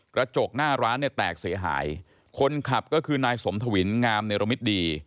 กระจกหน้าร้านเนี่ยแตกเสียหายคนขับก็คือนายสมทวินงามเนรมิตดี